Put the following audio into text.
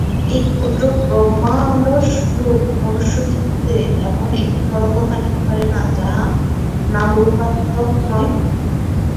এই ক্ষুদ্র ব্রহ্মাণ্ডরূপ মনুষ্যচিত্তে এমন একটি তরঙ্গ থাকিতে পারে না, যাহা নামরূপাত্মক নয়।